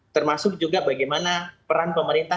termasuk juga bagaimana peran pemerintah